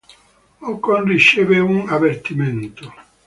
Ocon riceve un avvertimento.